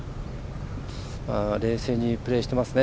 冷静にプレーしてますね。